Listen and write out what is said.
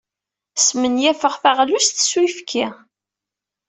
Smenyafeɣ taɣlust s uyefki.